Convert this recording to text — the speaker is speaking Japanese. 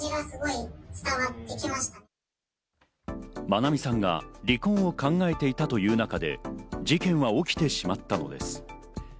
愛美さんが離婚を考えていたという中で事件は起きてしまったのです。